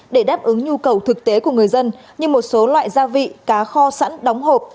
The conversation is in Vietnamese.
để đáp ứng nhu cầu thực tế của người dân như một số loại gia vị cá kho sẵn đóng hộp